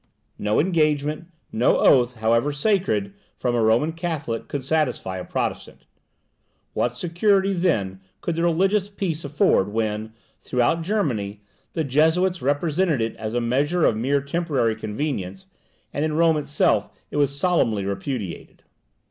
No engagement, no oath, however sacred, from a Roman Catholic, could satisfy a Protestant. What security then could the religious peace afford, when, throughout Germany, the Jesuits represented it as a measure of mere temporary convenience, and in Rome itself it was solemnly repudiated.